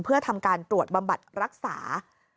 เพื่อทำการตรวจบำบัดรักษา